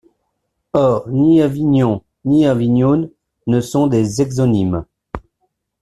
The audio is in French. Or ni Avignon, ni Avignoun ne sont des exonymes.